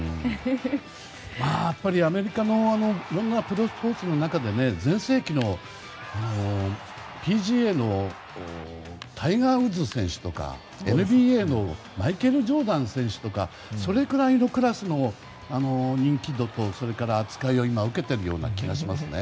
やっぱり、アメリカのいろんなプロスポーツの中で全盛期のＰＧＡのタイガー・ウッズ選手とかＮＢＡのマイケル・ジョーダン選手とかそれくらいのクラスの人気度と扱いを今、受けているような気がしますね。